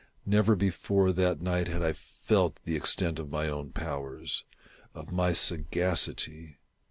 Never before that night had I. felt the extent of my own powers — of my sagacity.